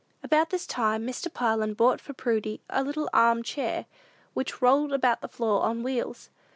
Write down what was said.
About this time, Mr. Parlin bought for Prudy a little armed chair, which rolled about the floor on wheels.